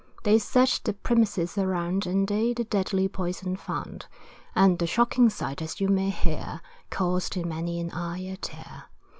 They searched the premises around, And they the deadly poison found; And the shocking sight, as you may hear, Caused in many an eye a tear.